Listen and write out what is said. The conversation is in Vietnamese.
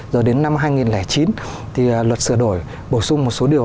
rồi đến năm hai nghìn chín thì luật sửa đổi bổ sung một số điều